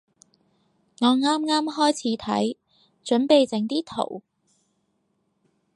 我啱啱開始睇，準備整啲圖